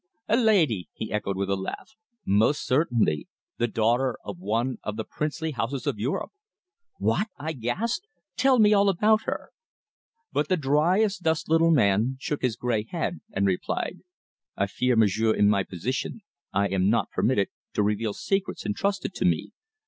"A lady!" he echoed with a laugh. "Most certainly the daughter of one of the princely houses of Europe." "What?" I gasped. "Tell me all about her!" But the dry as dust little man shook his grey head and replied: "I fear, m'sieur, in my position, I am not permitted to reveal secrets entrusted to me.